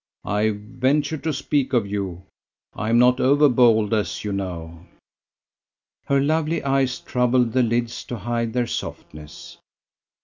"I ventured to speak of you. I am not over bold, as you know." Her lovely eyes troubled the lids to hide their softness.